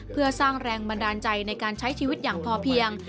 เพื่อสร้างแรงบันดาลใจในการใช้ชีวิตอย่างพอเพียง